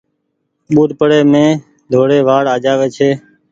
ٻوڏپڙي مين ڌوڙي وآڙ آجآوي ڇي۔